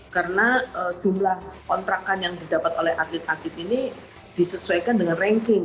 karena jumlah kontrakan yang didapat oleh atlet atlet ini disesuaikan dengan ranking